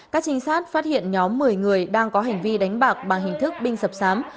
các trinh sát phát hiện nhóm một mươi người đang có hành vi đánh bạc bằng hình thức binh sập sám